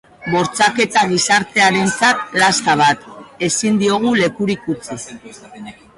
Bortxaketa gizartearentzat lasta bat, ezin diogu lekurik utzi.